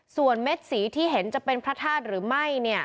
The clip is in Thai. ส่วนเม็ดสีที่เห็นจะเป็นพระธาตุหรือไม่เนี่ย